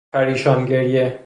پریشان گریه